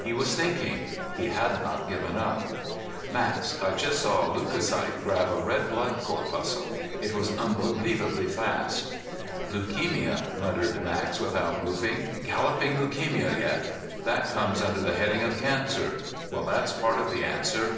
He was still thinking; he had not given up. "Max, I just saw a leucocyte grab a red blood corpuscle. It was unbelievably fast." "Leukemia," muttered Max without moving. "Galloping leukemia yet! That comes under the heading of cancer. Well, that's part of the answer.